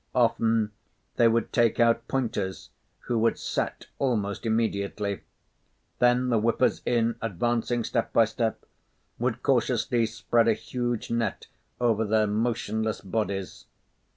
Often they would take out pointers who would set almost immediately; then the whippers in, advancing step by step, would cautiously spread a huge net over their motionless bodies.